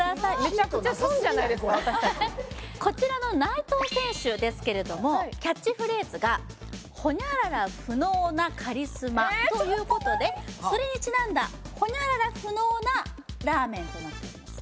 めちゃくちゃ損じゃないですか私達こちらの内藤選手ですけれどもキャッチフレーズが「○○不能なカリスマ」ということでそれにちなんだ○○不能なラーメンとなっております